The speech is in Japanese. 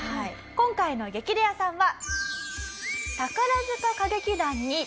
今回の激レアさんは。